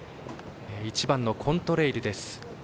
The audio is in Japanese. １番のコントレイルです。